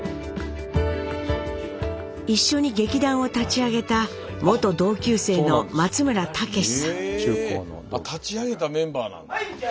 一緒に劇団を立ち上げた元同級生の立ち上げたメンバーなんだ。